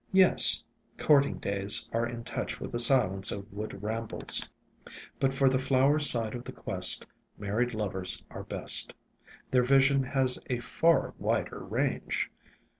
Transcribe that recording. Yes; court ing days are in touch with the silence of wood rambles, but for the flower side of the quest, married lovers are best. Their vision has a far wider range.